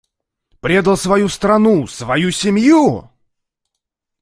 Предал свою страну, свою семью?